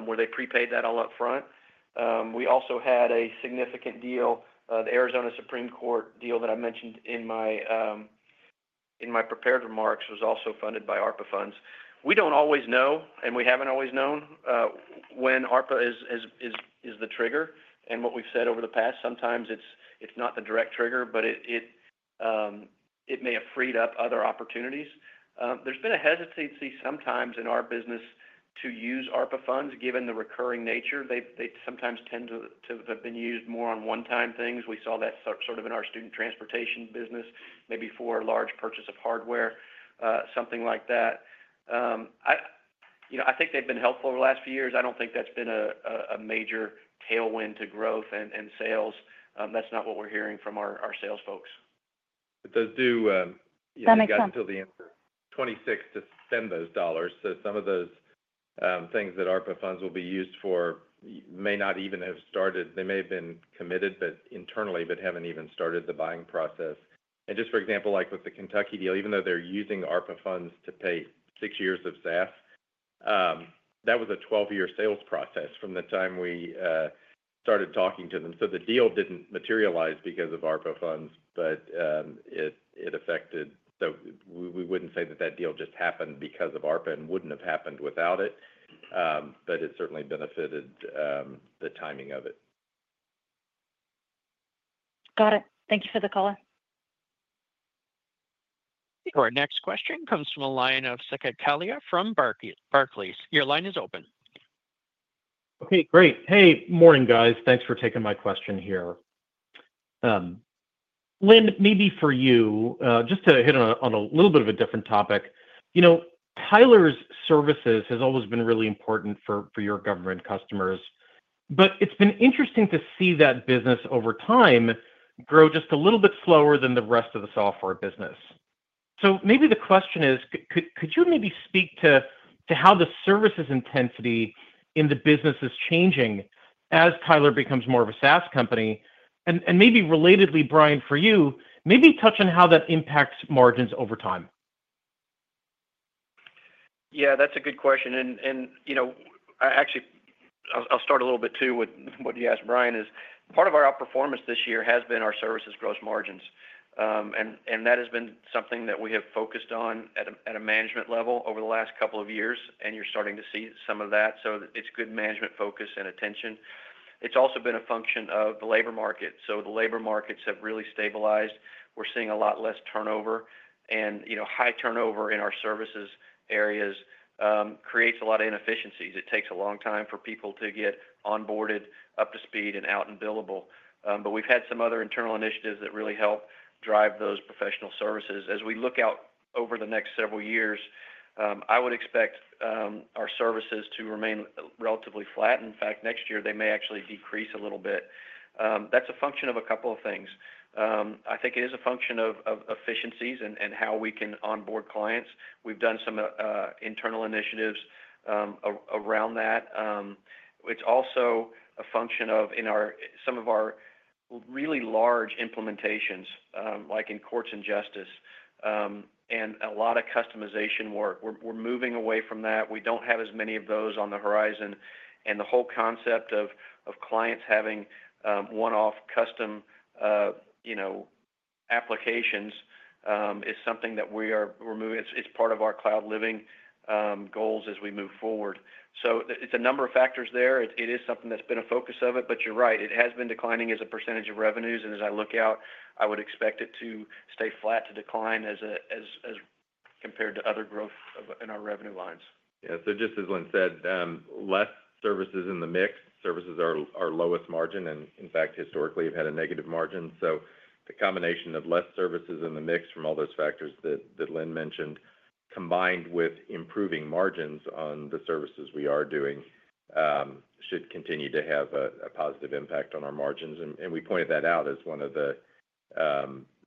where they prepaid that all upfront. We also had a significant deal, the Arizona Supreme Court deal that I mentioned in my prepared remarks, was also funded by ARPA funds. We don't always know, and we haven't always known, when ARPA is the trigger. And what we've said over the past, sometimes it's not the direct trigger, but it may have freed up other opportunities. There's been a hesitancy sometimes in our business to use ARPA funds, given the recurring nature. They sometimes tend to have been used more on one-time things. We saw that sort of in our student transportation business, maybe for a large purchase of hardware, something like that. You know, I think they've been helpful over the last few years. I don't think that's been a major tailwind to growth and sales. That's not what we're hearing from our sales folks. But those do, That makes sense. You got until the end of 2026 to spend those dollars. So some of those, things that ARPA funds will be used for may not even have started. They may have been committed, but internally, haven't even started the buying process. And just for example, like with the Kentucky deal, even though they're using ARPA funds to pay six years of SaaS, that was a 12-year sales process from the time we started talking to them. So the deal didn't materialize because of ARPA funds, but it affected. So we wouldn't say that that deal just happened because of ARPA and wouldn't have happened without it, but it certainly benefited the timing of it. Got it. Thank you for the color. Our next question comes from a line of Saket Kalia from Barclays. Your line is open. Okay, great. Hey, morning, guys. Thanks for taking my question here. Lynn, maybe for you, just to hit on a little bit of a different topic. You know, Tyler's services has always been really important for your government customers, but it's been interesting to see that business over time grow just a little bit slower than the rest of the software business. So maybe the question is: could you maybe speak to how the services intensity in the business is changing as Tyler becomes more of a SaaS company? And maybe relatedly, Brian, for you, maybe touch on how that impacts margins over time. Yeah, that's a good question, and you know, I actually, I'll start a little bit, too, with what you asked Brian, is part of our outperformance this year has been our services gross margins, and that has been something that we have focused on at a management level over the last couple of years, and you're starting to see some of that, so it's good management focus and attention. It's also been a function of the labor market, so the labor markets have really stabilized. We're seeing a lot less turnover, and you know, high turnover in our services areas creates a lot of inefficiencies. It takes a long time for people to get onboarded, up to speed, and out and billable, but we've had some other internal initiatives that really help drive those professional services. As we look out over the next several years, I would expect our services to remain relatively flat. In fact, next year, they may actually decrease a little bit. That's a function of a couple of things. I think it is a function of efficiencies and how we can onboard clients. We've done some internal initiatives around that. It's also a function of some of our really large implementations, like in courts and justice, and a lot of customization work. We're moving away from that. We don't have as many of those on the horizon, and the whole concept of clients having one-off custom, you know, applications is something that we are removing. It's part of our Cloud Living goals as we move forward. So it's a number of factors there. It is something that's been a focus of it, but you're right, it has been declining as a percentage of revenues, and as I look out, I would expect it to stay flat to decline as compared to other growth in our revenue lines. Yeah. So just as Lynn said, less services in the mix. Services are our lowest margin, and in fact, historically, have had a negative margin. So the combination of less services in the mix from all those factors that Lynn mentioned, combined with improving margins on the services we are doing, should continue to have a positive impact on our margins. And we pointed that out as one of,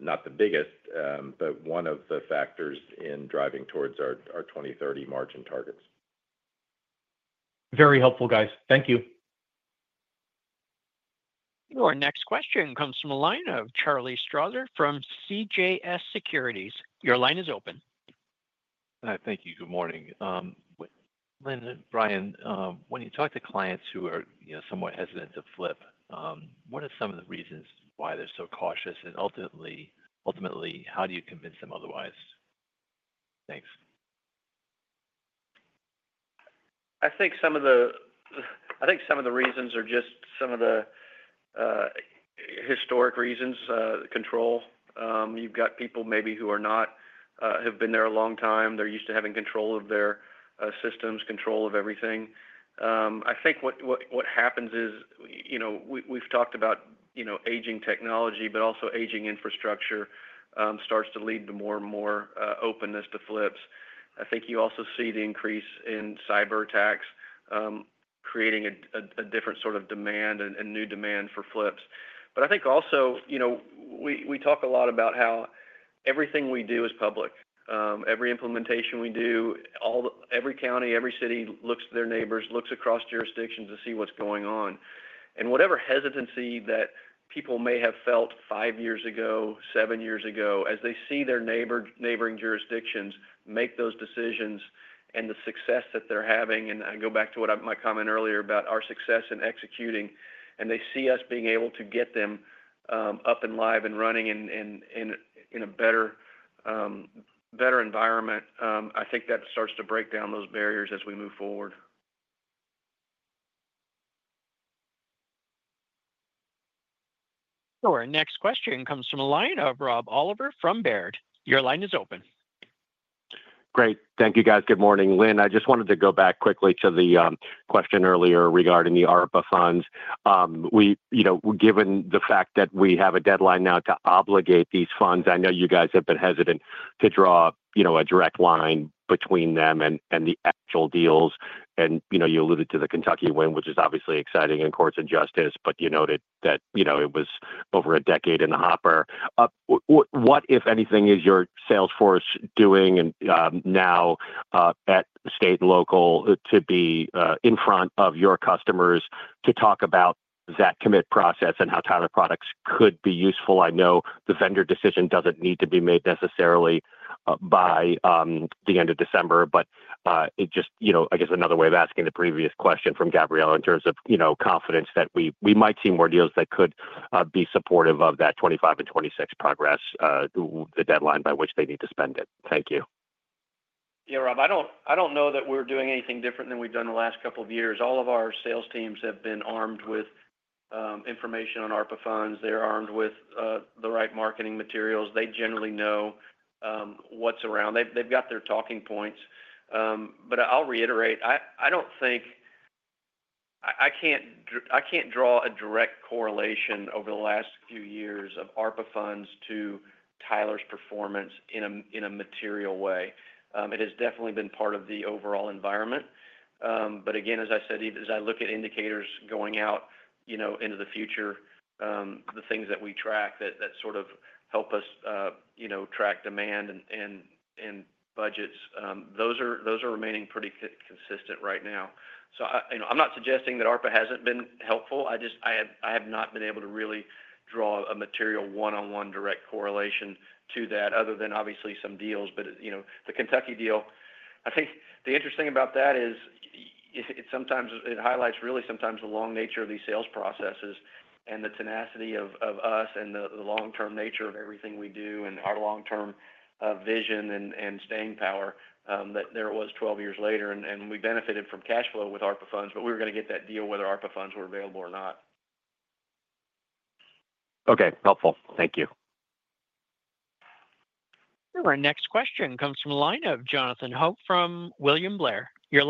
not the biggest, but one of the factors in driving towards our 2030 margin targets. Very helpful, guys. Thank you. Our next question comes from a line of Charles Strauzer from CJS Securities. Your line is open. Hi. Thank you. Good morning. Lynn and Brian, when you talk to clients who are, you know, somewhat hesitant to flip, what are some of the reasons why they're so cautious, and ultimately, how do you convince them otherwise? Thanks. I think some of the reasons are just some of the historic reasons, control. You've got people maybe who have been there a long time. They're used to having control of their systems, control of everything. I think what happens is, you know, we, we've talked about, you know, aging technology, but also aging infrastructure starts to lead to more and more openness to flips. I think you also see the increase in cyberattacks creating a different sort of demand and new demand for flips. But I think also, you know, we talk a lot about how everything we do is public. Every implementation we do, every county, every city looks to their neighbors, looks across jurisdictions to see what's going on. And whatever hesitancy that people may have felt five years ago, seven years ago, as they see their neighboring jurisdictions make those decisions and the success that they're having, and I go back to what my comment earlier about our success in executing, and they see us being able to get them up and live and running in a better environment, I think that starts to break down those barriers as we move forward. So our next question comes from a line of Rob Oliver from Baird. Your line is open. Great. Thank you, guys. Good morning. Lynn, I just wanted to go back quickly to the question earlier regarding the ARPA funds. We, you know, given the fact that we have a deadline now to obligate these funds, I know you guys have been hesitant to draw, you know, a direct line between them and the actual deals. And, you know, you alluded to the Kentucky win, which is obviously exciting in Courts of Justice, but you noted that, you know, it was over a decade in the hopper. What, if anything, is your sales force doing now at state and local to be in front of your customers to talk about that commitment process and how Tyler products could be useful? I know the vendor decision doesn't need to be made necessarily by the end of December, but it just, you know, I guess another way of asking the previous question from Gabriella in terms of, you know, confidence that we might see more deals that could be supportive of that 2025 and 2026 progress, the deadline by which they need to spend it. Thank you. Yeah, Rob, I don't know that we're doing anything different than we've done the last couple of years. All of our sales teams have been armed with information on ARPA funds. They're armed with the right marketing materials. They generally know what's around. They've got their talking points. But I'll reiterate, I don't think. I can't draw a direct correlation over the last few years of ARPA funds to Tyler's performance in a material way. It has definitely been part of the overall environment. But again, as I said, as I look at indicators going out, you know, into the future, the things that we track that sort of help us, you know, track demand and budgets, those are remaining pretty consistent right now. So I, you know, I'm not suggesting that ARPA hasn't been helpful. I just. I have not been able to really draw a material one-on-one direct correlation to that, other than obviously some deals. But, you know, the Kentucky deal, I think the interesting about that is, it sometimes. It highlights really sometimes the long nature of these sales processes and the tenacity of us and the long-term nature of everything we do, and our long-term vision and staying power, that there it was 12 years later, and we benefited from cash flow with ARPA funds, but we were gonna get that deal whether ARPA funds were available or not. Okay, helpful. Thank you. Our next question comes from a line of Jonathan Ho from William Blair. Your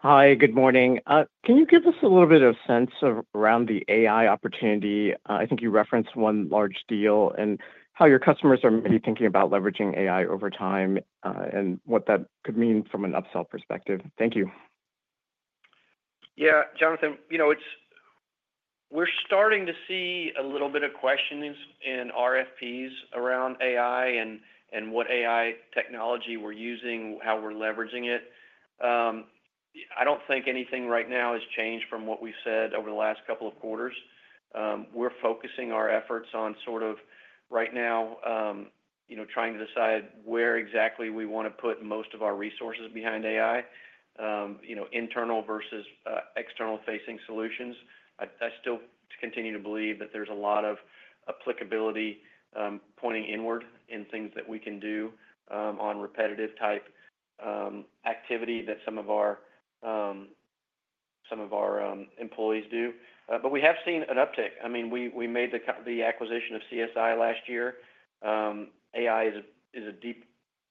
line is open. Hi, good morning. Can you give us a little bit of sense of around the AI opportunity? I think you referenced one large deal, and how your customers are maybe thinking about leveraging AI over time, and what that could mean from an upsell perspective. Thank you. Yeah, Jonathan, you know, it's. We're starting to see a little bit of questions in RFPs around AI and what AI technology we're using, how we're leveraging it. I don't think anything right now has changed from what we've said over the last couple of quarters. We're focusing our efforts on sort of right now, you know, trying to decide where exactly we wanna put most of our resources behind AI, you know, internal versus external-facing solutions. I still continue to believe that there's a lot of applicability, pointing inward in things that we can do, on repetitive type activity that some of our employees do, but we have seen an uptick. I mean, we made the acquisition of CSI last year. AI is a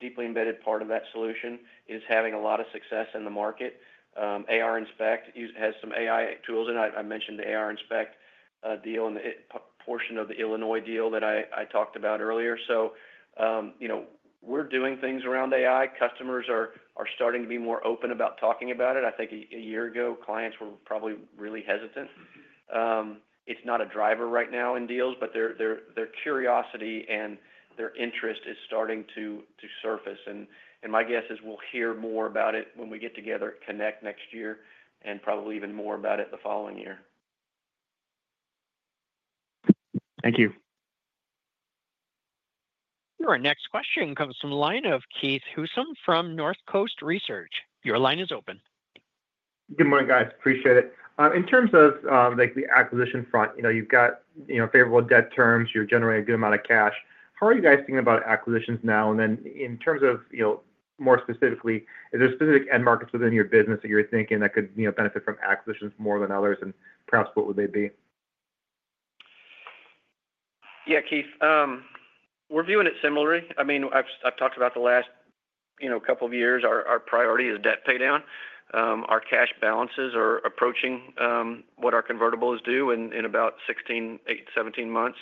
deeply embedded part of that solution, is having a lot of success in the market. ARInspect has some AI tools, and I mentioned the ARInspect deal and the portion of the Illinois deal that I talked about earlier. So, you know, we're doing things around AI. Customers are starting to be more open about talking about it. I think a year ago, clients were probably really hesitant. It's not a driver right now in deals, but their curiosity and their interest is starting to surface, and my guess is we'll hear more about it when we get together at Connect next year, and probably even more about it the following year. Thank you. Your next question comes from the line of Keith Housum from North Coast Research. Your line is open. Good morning, guys. Appreciate it. In terms of, like the acquisition front, you know, you've got, you know, favorable debt terms, you're generating a good amount of cash. How are you guys thinking about acquisitions now? And then in terms of, you know, more specifically, are there specific end markets within your business that you're thinking that could, you know, benefit from acquisitions more than others, and perhaps what would they be? Yeah, Keith, we're viewing it similarly. I mean, I've talked about the last, you know, couple of years, our priority is debt paydown. Our cash balances are approaching what our convertibles due in about sixteen, eight, seventeen months.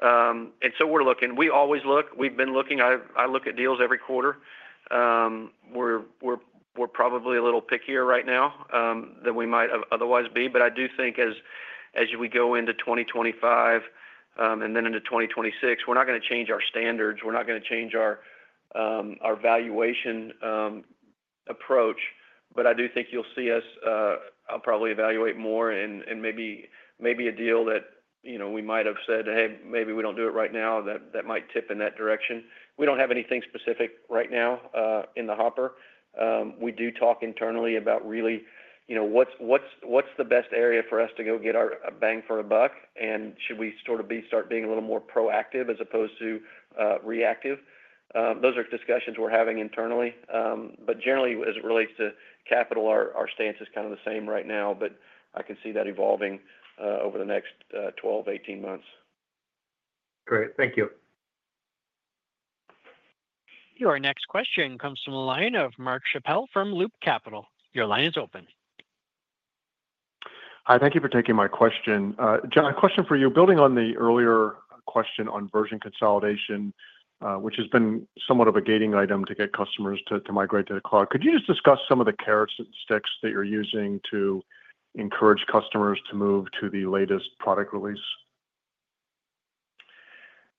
So we're looking. We always look. We've been looking. I look at deals every quarter. We're probably a little pickier right now than we might otherwise be. I do think as we go into 2025 and then into 2026, we're not gonna change our standards, we're not gonna change our valuation approach. I do think you'll see us probably evaluate more and maybe a deal that, you know, we might have said, "Hey, maybe we don't do it right now," that might tip in that direction. We don't have anything specific right now in the hopper. We do talk internally about really, you know, what's the best area for us to go get our bang for our buck, and should we sort of start being a little more proactive as opposed to reactive? Those are discussions we're having internally. But generally, as it relates to capital, our stance is kind of the same right now, but I can see that evolving over the next 12, 18 months. Great. Thank you. Your next question comes from the line of Mark Schappel from Loop Capital. Your line is open. Hi, thank you for taking my question. John, a question for you. Building on the earlier question on version consolidation, which has been somewhat of a gating item to get customers to migrate to the cloud, could you just discuss some of the carrots and sticks that you're using to encourage customers to move to the latest product release?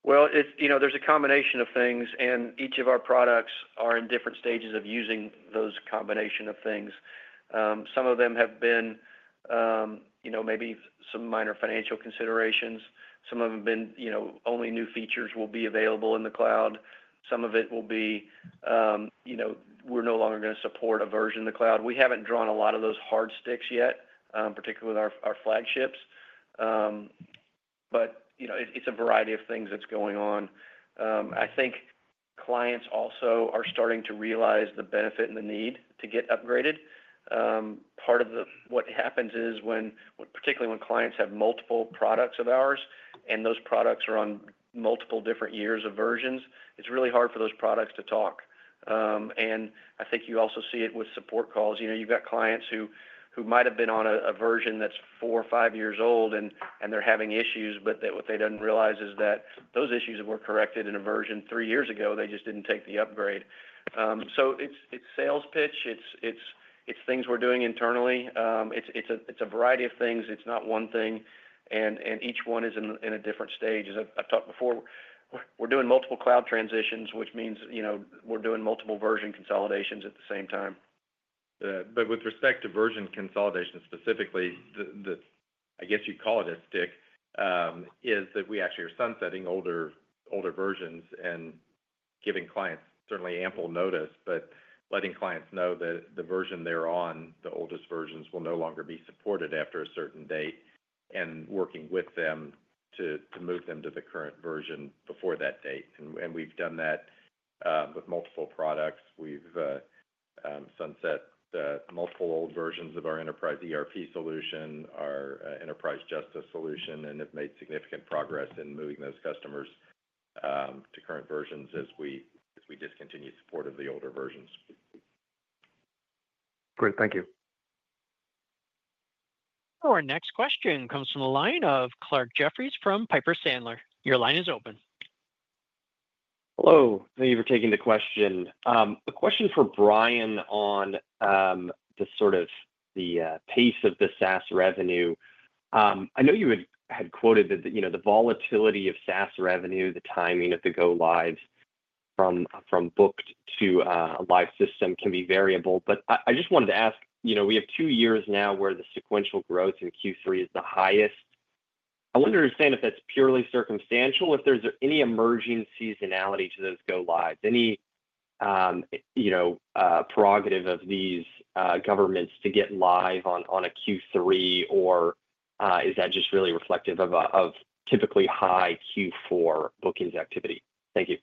Well, it's. You know, there's a combination of things, and each of our products are in different stages of using those combination of things. Some of them have been, you know, maybe some minor financial considerations. Some of them have been, you know, only new features will be available in the cloud. Some of it will be, you know, we're no longer gonna support a version of the cloud. We haven't drawn a lot of those hard sticks yet, particularly with our flagships. But, you know, it, it's a variety of things that's going on. I think clients also are starting to realize the benefit and the need to get upgraded. Part of the, what happens is when, particularly when clients have multiple products of ours, and those products are on multiple different years of versions, it's really hard for those products to talk, and I think you also see it with support calls. You know, you've got clients who might have been on a version that's four or five years old, and they're having issues, but what they don't realize is that those issues were corrected in a version three years ago, they just didn't take the upgrade, so it's sales pitch. It's things we're doing internally. It's a variety of things, it's not one thing, and each one is in a different stage. As I've talked before, we're doing multiple cloud transitions, which means, you know, we're doing multiple version consolidations at the same time. But with respect to version consolidation, specifically, the—I guess you'd call it a stick—is that we actually are sunsetting older versions and giving clients certainly ample notice, but letting clients know that the version they're on, the oldest versions, will no longer be supported after a certain date, and working with them to move them to the current version before that date. We've done that with multiple products. We've sunset multiple old versions of our Enterprise ERP solution, our Enterprise Justice solution, and have made significant progress in moving those customers to current versions as we discontinue support of the older versions. Great, thank you. Our next question comes from the line of Clarke Jeffries from Piper Sandler. Your line is open. Hello, thank you for taking the question. A question for Brian on the sort of pace of the SaaS revenue. I know you had quoted that the, you know, the volatility of SaaS revenue, the timing of the go-lives from booked to a live system can be variable. But I just wanted to ask, you know, we have two years now where the sequential growth in Q3 is the highest. I want to understand if that's purely circumstantial, if there's any emerging seasonality to those go-lives, any, you know, prerogative of these governments to get live on a Q3, or is that just really reflective of typically high Q4 bookings activity? Thank you.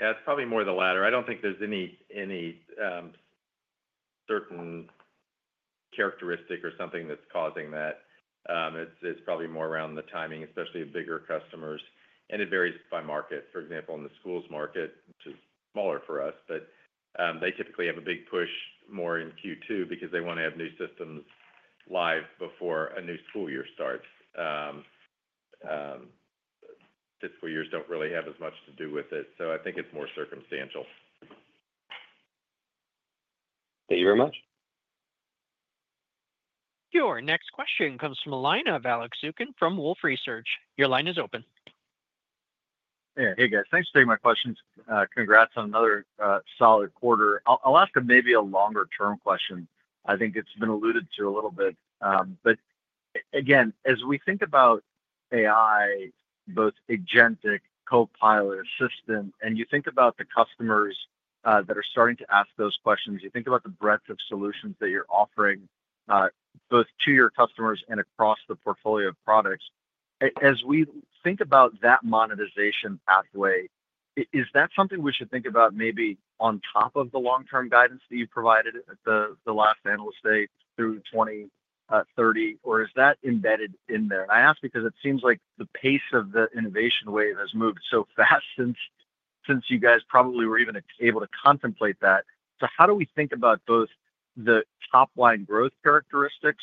Yeah, it's probably more the latter. I don't think there's any certain characteristic or something that's causing that. It's probably more around the timing, especially of bigger customers, and it varies by market. For example, in the schools market, which is smaller for us, but they typically have a big push more in Q2 because they want to have new systems live before a new school year starts. Fiscal years don't really have as much to do with it, so I think it's more circumstantial. Thank you very much. Your next question comes from the line of Alex Zukin from Wolfe Research. Your line is open. Hey, hey, guys. Thanks for taking my questions. Congrats on another solid quarter. I'll ask maybe a longer-term question. I think it's been alluded to a little bit. But again, as we think about AI, both agentic, copilot assistant, and you think about the customers that are starting to ask those questions, you think about the breadth of solutions that you're offering both to your customers and across the portfolio of products, as we think about that monetization pathway, is that something we should think about maybe on top of the long-term guidance that you provided at the last analyst day through twenty thirty, or is that embedded in there? I ask because it seems like the pace of the innovation wave has moved so fast since you guys probably were even able to contemplate that. So how do we think about both the top-line growth characteristics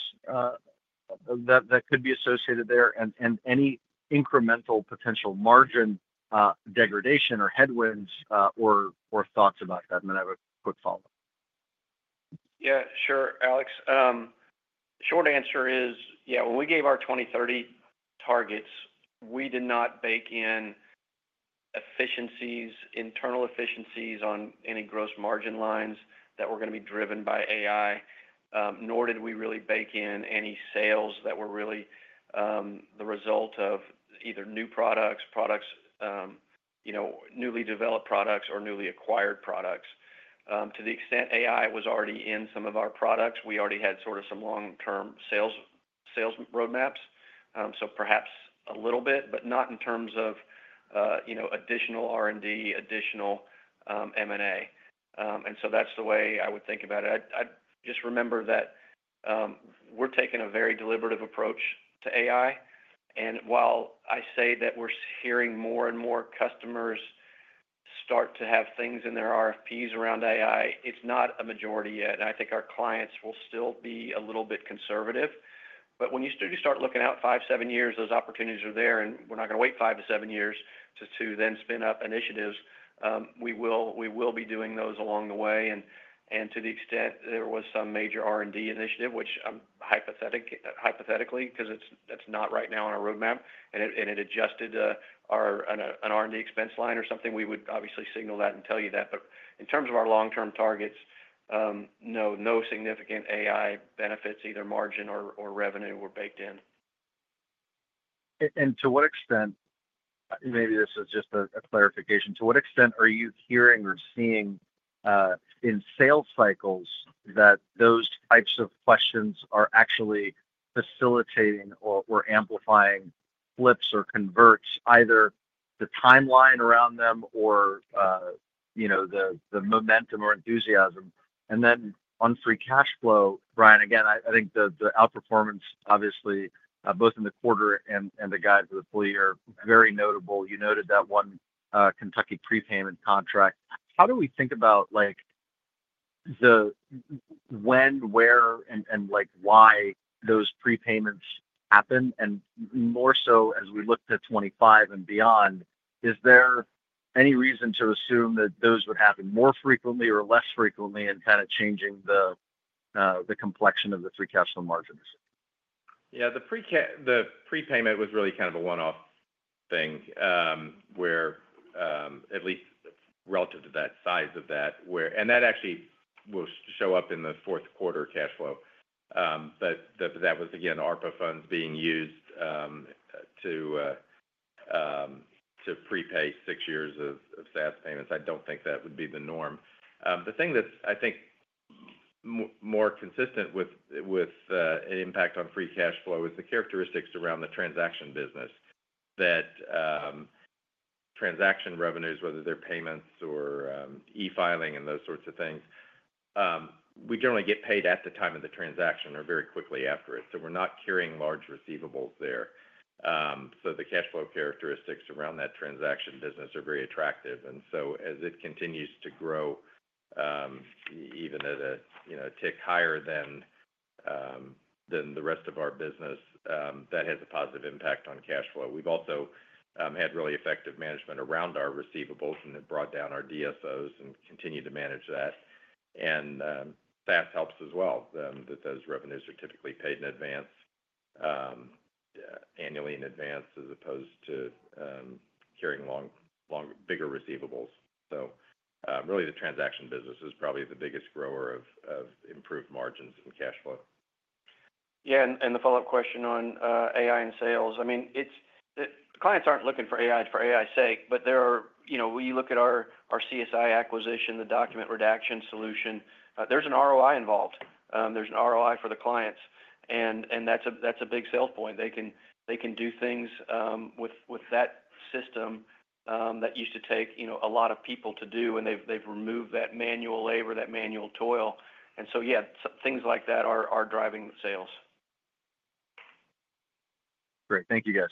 that could be associated there and any incremental potential margin degradation or headwinds or thoughts about that? And then I have a quick follow-up. Yeah, sure, Alex. Short answer is, yeah, when we gave our 2030 targets, we did not bake in efficiencies, internal efficiencies on any gross margin lines that were gonna be driven by AI, nor did we really bake in any sales that were really the result of either new products, you know, newly developed products or newly acquired products. To the extent AI was already in some of our products, we already had sort of some long-term sales roadmaps. So perhaps a little bit, but not in terms of, you know, additional R&D, additional M&A. And so that's the way I would think about it. I'd just remember that we're taking a very deliberative approach to AI, and while I say that we're hearing more and more customers start to have things in their RFPs around AI, it's not a majority yet. And I think our clients will still be a little bit conservative. But when you start looking out five, seven years, those opportunities are there, and we're not gonna wait five to seven years to then spin up initiatives. We will be doing those along the way, and to the extent there was some major R&D initiative, which I'm hypothetically, 'cause it's not right now on our roadmap, and it adjusted our an R&D expense line or something, we would obviously signal that and tell you that. But in terms of our long-term targets, no, no significant AI benefits, either margin or revenue were baked in. And to what extent, maybe this is just a clarification, to what extent are you hearing or seeing in sales cycles that those types of questions are actually facilitating or amplifying flips or converts, either the timeline around them or you know the momentum or enthusiasm? And then on free cash flow, Brian, again, I think the outperformance, obviously, both in the quarter and the guide for the full year, very notable. You noted that one Kentucky prepayment contract. How do we think about like the when, where, and like why those prepayments happen? And more so as we look to 2025 and beyond, is there any reason to assume that those would happen more frequently or less frequently and kind of changing the complexion of the free cash flow margins? Yeah, the prepayment was really kind of a one-off thing, where, at least relative to that size of that, where and that actually will show up in the fourth quarter cash flow. But that was, again, ARPA funds being used to prepay six years of SaaS payments. I don't think that would be the norm. The thing that's, I think, more consistent with an impact on free cash flow is the characteristics around the transaction business. That transaction revenues, whether they're payments or e-filing and those sorts of things, we generally get paid at the time of the transaction or very quickly after it, so we're not carrying large receivables there. So the cash flow characteristics around that transaction business are very attractive, and so as it continues to grow, even at a, you know, tick higher than the rest of our business, that has a positive impact on cash flow. We've also had really effective management around our receivables, and it brought down our DSOs and continued to manage that, and that helps as well, that those revenues are typically paid in advance, annually in advance, as opposed to carrying long bigger receivables, so really the transaction business is probably the biggest grower of improved margins in cash flow. Yeah, and the follow-up question on AI and sales. I mean, it's the clients aren't looking for AI, for AI's sake, but there are you know, when you look at our CSI acquisition, the document redaction solution, there's an ROI involved. There's an ROI for the clients, and that's a big sales point. They can do things with that system that used to take you know a lot of people to do, and they've removed that manual labor, that manual toil. And so, yeah, things like that are driving the sales. Great. Thank you, guys.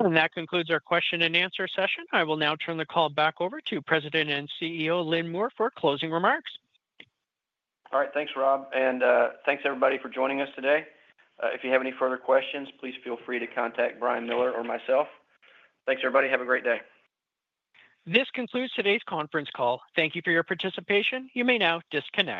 That concludes our question and answer session. I will now turn the call back over to President and CEO, Lynn Moore, for closing remarks. All right. Thanks, Rob, and, thanks everybody for joining us today. If you have any further questions, please feel free to contact Brian Miller or myself. Thanks, everybody. Have a great day. This concludes today's conference call. Thank you for your participation. You may now disconnect.